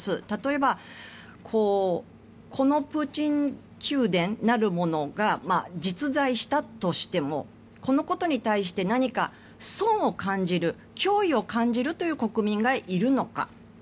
例えばこのプーチン宮殿なるものが実在したとしてもこのことに対して何か損を感じる脅威を感じるという国民がいるのか。